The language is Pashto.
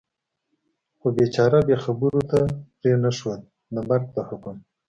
خو بېچاره یې خبرو ته پرېنښود، د مرګ د حکم.